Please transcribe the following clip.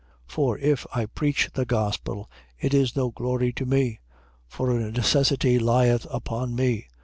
9:16. For if I preach the gospel, it is no glory to me: for a necessity lieth upon me.